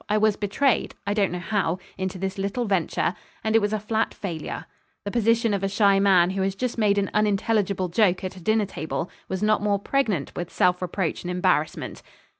I was betrayed, I don't know how, into this little venture, and it was a flat failure. The position of a shy man, who has just made an unintelligible joke at a dinner table, was not more pregnant with self reproach and embarrassment.